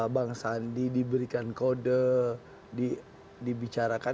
bang sandi diberikan kode dibicarakan